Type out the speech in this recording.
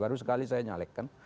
baru sekali saya nyalekkan